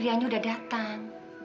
inialkan aku sudah bilang